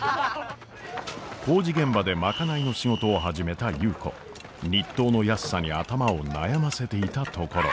工事現場で賄いの仕事を始めた優子日当の安さに頭を悩ませていたところ。